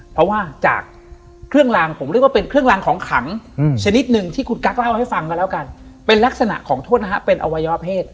เพราะว่าจากเครื่องรางผมเรียกว่าเป็นเครื่องรางของขังชนิดหนึ่งที่คุณกั๊กเล่าให้ฟังกันแล้วกันเป็นลักษณะของโทษนะฮะเป็นอวัยวะเพศ